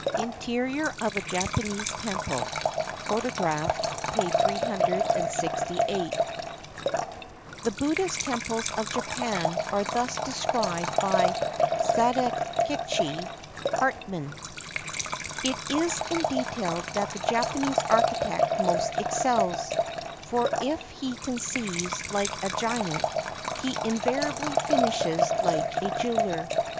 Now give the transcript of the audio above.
INTERIOR OF A JAPANESE TEMPLE INTERIOR OF A JAPANESE TEMPLE The Buddhist temples of Japan are thus described by Sadakichi Hartmann :— "It is in detail that the Japanese architect most excels, for if he conceives like a giant, he invariably finishes like a jeweler.